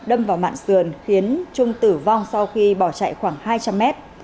đâm vào mạng sườn khiến trung tử vong sau khi bỏ chạy khoảng hai trăm linh mét